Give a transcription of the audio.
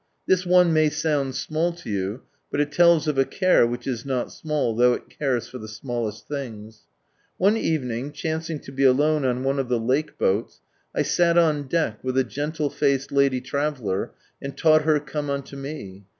This one may sound small to you, but it tells of a Care which is not small, though it cares for the smallest things. One erening, chancing to be alone on one of ihe lake boats, I sat on deck, with a gentle faced lady traveller, and taught her " Conie unto Me."